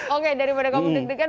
oke daripada kamu deg degan